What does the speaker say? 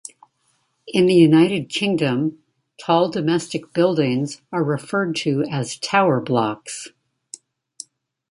In the United Kingdom, tall domestic buildings are referred to as tower blocks.